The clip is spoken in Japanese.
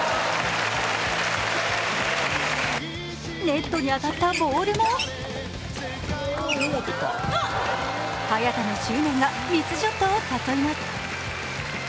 ネットに当たったボールも早田の執念がミスショットを誘います。